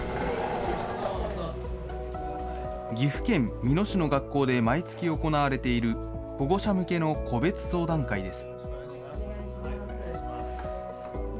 岐阜県美濃市の学校で毎月行われている、保護者向けの個別相談会です。